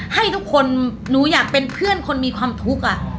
ให้ทุกคนหนูอยากเป็นเพื่อนคนมีความทุกข์